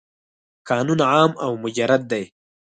قانون عام او مجرد دی.